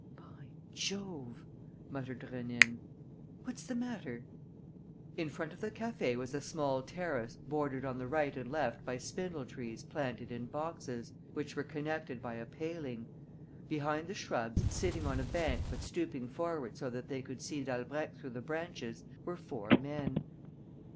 "By Jove!" muttered Rénine. "What's the matter?" In front of the café was a small terrace bordered on the right and left by spindle trees planted in boxes, which were connected by a paling. Behind the shrubs, sitting on a bank but stooping forward so that they could see Dalbrèque through the branches, were four men.